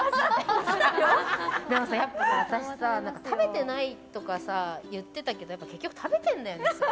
私さ、食べてないとか言ってたけど結局、食べてるんだよね。